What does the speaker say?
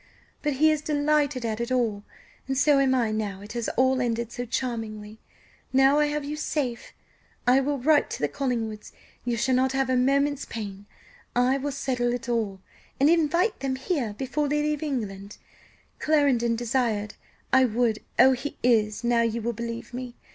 But he is delighted at it all, and so am I now it has all ended so charmingly, now I have you safe. I will write to the Collingwoods; you shall not have a moment's pain; I will settle it all, and invite them here before they leave England; Clarendon desired I would oh, he is! now you will believe me!